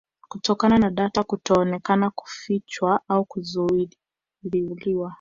Kutokana na data kutoonekana kufichwa au kuzuiwa